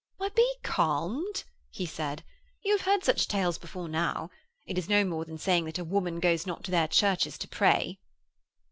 'Why, be calmed,' he said. 'You have heard such tales before now. It is no more than saying that a woman goes not to their churches to pray.'